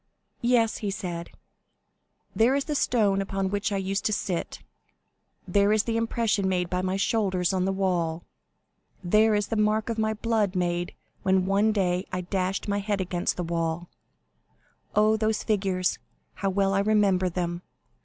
"Yes," he said, "there is the stone upon which I used to sit; there is the impression made by my shoulders on the wall; there is the mark of my blood made when one day I dashed my head against the wall. Oh, those figures, how well I remember them!